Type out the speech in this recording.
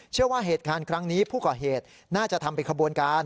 เชื่อว่าเหตุการณ์ครั้งนี้ผู้ก่อเหตุน่าจะทำเป็นขบวนการ